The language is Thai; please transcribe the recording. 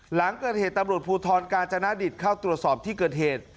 หลังเกิดเหตุตำรวจภูทรกาญจนดิตเข้าตรวจสอบที่เกิดเหตุ